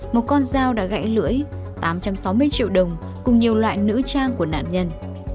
một con dao đã gãi lưỡi tám trăm sáu mươi triệu đồng cùng nhiều loại nữ trang của nạn nhân